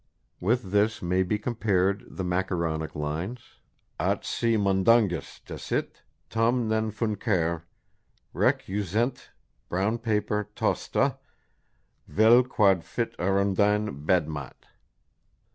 With this may be compared the macaronic lines: At si Mundungus desit: tum non funcare recusant Brown Paper tostâ, vel quod fit arundine bed mat.